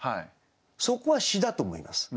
そこは詩だと思います。